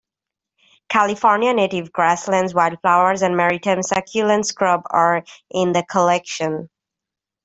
California native grasslands, wildflowers, and maritime succulent scrub are in the collection.